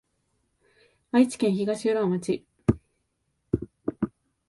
愛知県東浦町